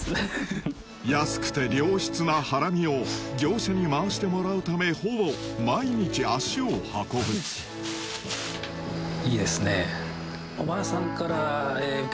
安くて良質なハラミを業者にまわしてもらうためほぼ毎日足を運ぶいいですね。